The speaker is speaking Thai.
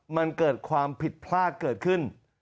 มันเกิดความผิดพลาดเกิดขึ้น